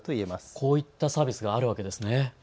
こういったサービスがあるわけですね。